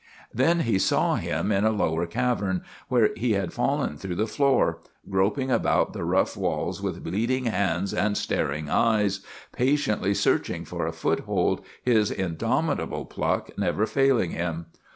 Then he saw him in a lower cavern, where he had fallen through the floor, groping about the rough walls with bleeding hands and staring eyes, patiently searching for a foothold, his indomitable pluck never failing him.